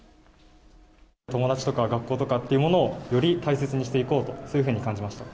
友達とか学校とかというものをより大切にしていこうと、そういうふうに感じました。